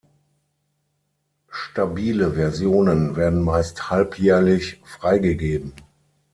Stabile Versionen werden meist halbjährlich freigegeben.